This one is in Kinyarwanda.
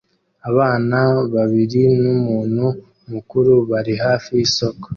Abana babiri numuntu mukuru bari hafi yisoko